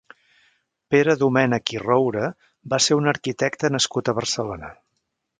Pere Domènech i Roura va ser un arquitecte nascut a Barcelona.